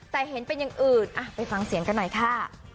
แต่เห็นเป็นอย่างอื่นไปฟังเสียงกันหน่อยค่ะ